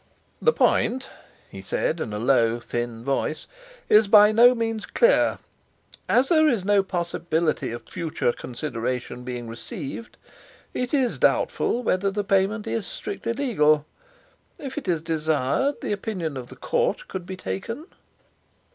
"The point," he said in a low, thin voice, "is by no means clear. As there is no possibility of future consideration being received, it is doubtful whether the payment is strictly legal. If it is desired, the opinion of the court could be taken."